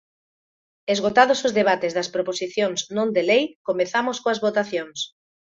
Esgotados os debates das proposicións non de lei, comezamos coas votacións.